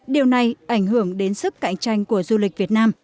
điều này ảnh hưởng đến sức cạnh tranh của du lịch việt nam